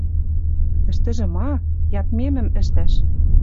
«Тӹштӹжӹ ма?» — «Ядмемӹм ӹштӓш